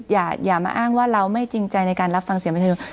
อย่ามาอ้างว่าเราไม่จริงใจในการรับฟังเสียงประชาชน